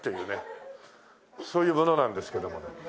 そういう者なんですけども。